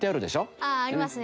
あっありますね。